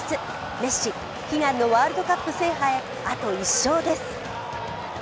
メッシ、悲願のワールドカップ制覇へ、あと１勝です。